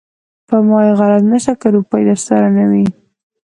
په ما يې غرض نشته که روپۍ درسره نه وي.